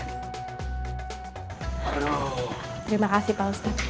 terimakasih pak ustad